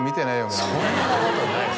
そんなことないです。